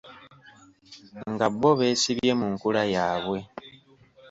Nga bo beesibye mu nkula yaabwe.